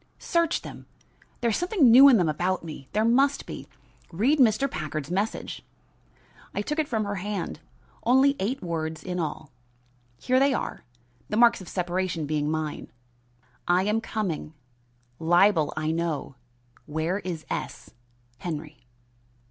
"Search them! There is something new in them about me. There must be. Read Mr. Packard's message." I took it from her hand; only eight words in all. Here they are the marks of separation being mine: I am coming libel I know where is S. Henry.